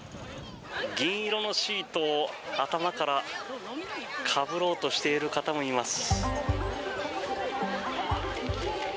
銀色のシートを頭からかぶろうとしている方もいます。